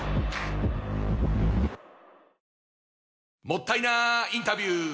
もったいなインタビュー！